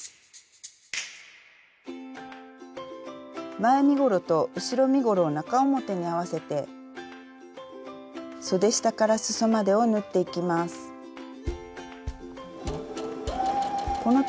前身ごろと後ろ身ごろを中表に合わせてそで下からすそまでを縫っていきます。